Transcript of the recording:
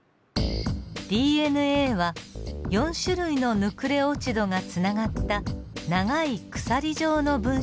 ＤＮＡは４種類のヌクレオチドがつながった長い鎖状の分子です。